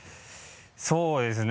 そうですね